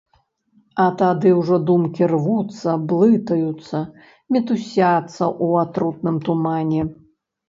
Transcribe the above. А тады ўжо думкі рвуцца, блытаюцца, мітусяцца ў атрутным тумане.